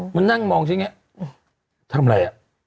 มันนั่งมองใช้งี้ทำไรอะ